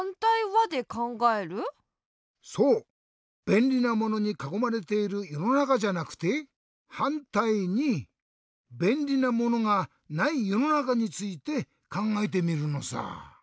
べんりなものにかこまれているよのなかじゃなくてはんたいにべんりなものがないよのなかについてかんがえてみるのさ。